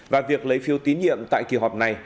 và việc lấy phiếu tín nhiệm tại kỳ họp này